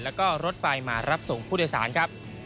แล้วก็รถไฟมารับส่งผู้โดยสารครับ